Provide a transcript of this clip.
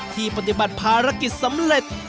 ปฏิบัติภารกิจสำเร็จ